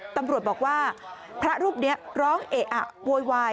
ตำรวจบอกว่าพระรูปนี้ร้องเอะอะโวยวาย